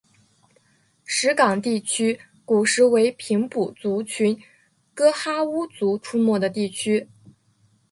石冈地区古时为平埔族群噶哈巫族出没的地区。